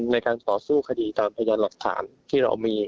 ในการต่อสู้คดีตามพยานหลักฐานที่เรามี